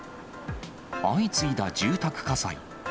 相次いだ住宅火災。